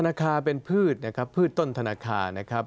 ราคาเป็นพืชนะครับพืชต้นธนาคารนะครับ